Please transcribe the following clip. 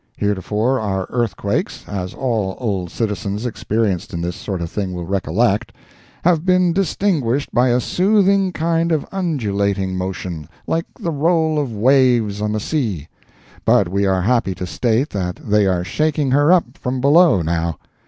Heretofore our earthquakes—as all old citizens experienced in this sort of thing will recollect—have been distinguished by a soothing kind of undulating motion, like the roll of waves on the sea, but we are happy to state that they are shaking her up from below now.